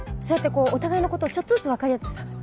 そうやってお互いのことをちょっとずつ分かり合ってさ。